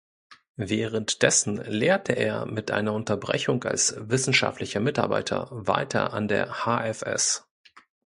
Während dessen lehrte er mit einer Unterbrechung als Wissenschaftlicher Mitarbeiter weiter an der HfS.